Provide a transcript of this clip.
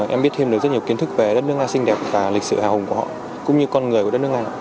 em biết thêm được rất nhiều kiến thức về đất nước nga xinh đẹp và lịch sử hào hùng của họ cũng như con người của đất nước nga